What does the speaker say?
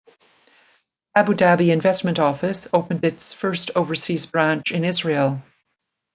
Abu Dhabi Investment Office opened its first overseas branch in Israel.